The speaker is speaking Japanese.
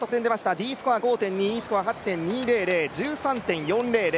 Ｄスコア５．６、Ｅスコア８．２、１３．４００。